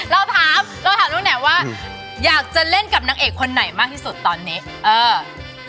เราถามว่าอยากเล่นกับนักเอกคนไหนมากที่สุดตอนนี้